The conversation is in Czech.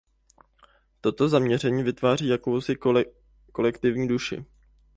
Toto zaměření vytváří jakousi kolektivní duši.